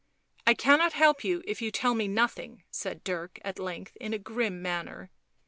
" I cannot help you if you tell me nothing," said Dirk at length in a grim manner.